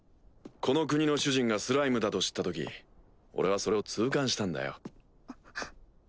この国の主人がスライムだと知った時俺はそれを痛感したんだよ。